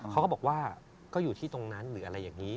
เขาก็บอกว่าก็อยู่ที่ตรงนั้นหรืออะไรอย่างนี้